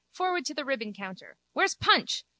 Forward to the ribbon counter. Where's Punch?